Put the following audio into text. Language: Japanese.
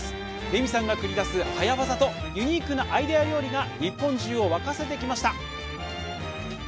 レミさんが繰り出す早わざとユニークなアイデア料理が日本中を沸かせてきました。